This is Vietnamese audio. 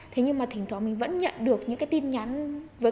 thế nhưng thỉnh thoảng mình vẫn nhận được những tin nhắn và nội dung tương tự như vậy